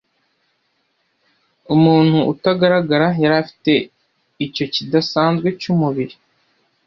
umuntu utagaragara yari afite icyo kidasanzwe cyumubiri